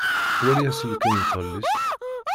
Wali aselkin n tɣellist.